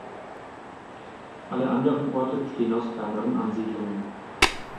Alle anderen Orte bestehen aus kleineren Ansiedlungen.